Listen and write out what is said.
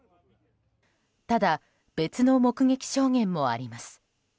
ただ、別の目撃証言もあります。